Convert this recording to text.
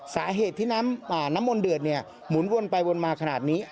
สาเหตุที่น้ำมนต์เดือดหมุนวนไปวนมาขนาดนี้